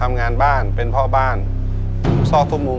และตัวนี้คือภาพไหนในตัวเลือกทั้ง๔ตัวเลือก